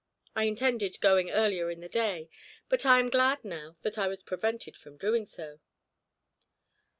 I intended going earlier in the day, but I am glad now that I was prevented from doing so."